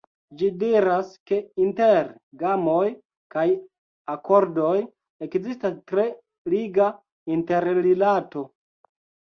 Ĝi diras, ke inter gamoj kaj akordoj ekzistas tre liga interrilato.